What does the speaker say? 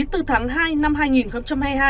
từ tháng hai năm hai nghìn hai mươi hai